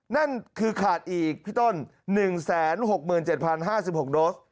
นั่นคือขาดอีกพี่ต้น๑๖๗๐๕๖โดส